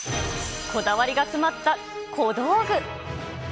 こだわりが詰まった小道具。